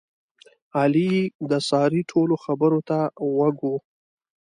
علي د سارې ټولو خبرو ته غوږ و.